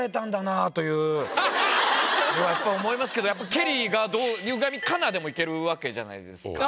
やっぱ思いますけどやっぱ「けり」がどう「歪みかな」でもいけるわけじゃないですか。